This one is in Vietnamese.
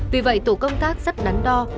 tuy vậy tổ công tác rất đáng đo